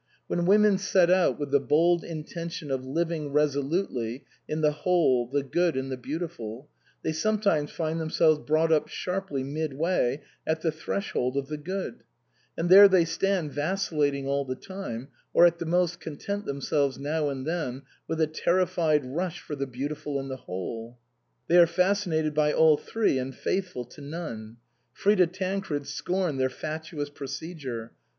When women set out with the bold intention of living reso lutely in the Whole, the Good, and the Beau tiful, they sometimes find themselves brought up sharply midway at the threshold of the Good ; and there they stand vacillating all the time, or at the most content themselves now and then with a terrified rush for the Beautiful and the Whole. They are fascinated by all three and faithful to none. Frida Tancred scorned their fatuous procedure.